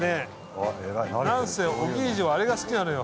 なんせオギージョはあれが好きなのよ